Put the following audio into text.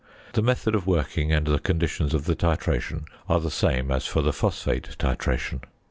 The method of working and the conditions of the titration are the same as for the phosphate titration.